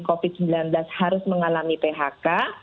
covid sembilan belas harus mengalami phk